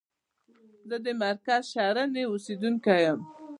زه د مرکز شرنی اوسیدونکی یم.